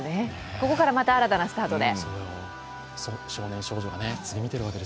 ここからまた新たなスタートで。